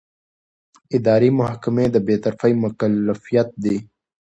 اداري محکمې د بېطرفۍ مکلفیت لري.